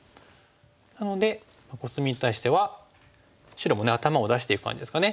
なのでコスミに対しては白も頭を出していく感じですかね。